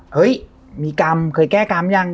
เฮ้ยมีกรรมเคยแก้กรรมยัง